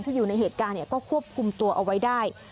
อยู่ในเหตุการณ์ก็ควบคุมตัวเอาไว้ได้